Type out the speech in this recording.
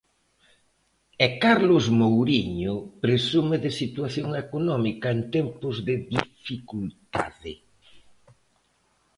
E Carlos Mouriño presume de situación económica en tempos de dificultade.